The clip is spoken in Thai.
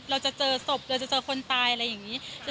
เราจะเจอศพเราจะเจอคนตายอะไรอย่างนี้